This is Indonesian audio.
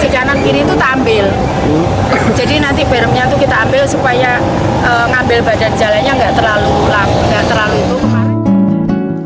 jika sudah terrealisasi transportasi masal tram ini akan melintasi beberapa kawasan di tengah kota surabaya